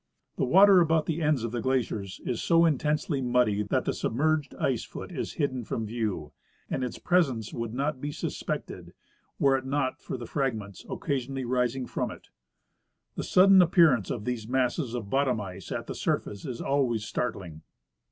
The water about the ends of the glaciers is so intensely muddy that the submerged ice foot is hidden from view, and its presence would not be suspected were it not for the fragments occasionally rising from it. TKe sudden appearance of these masses of bottom ice at the surface is always startling.